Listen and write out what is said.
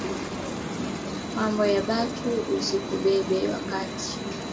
Mambo ya batu usikubebe wakati ju aina yako